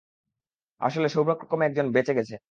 আসলে, সৌভাগ্যক্রমে একজন বেঁচে গেছে।